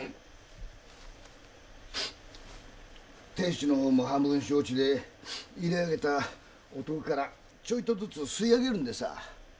亭主の方も半分承知で入れあげた男からちょいとずつ吸い上げるんでさ。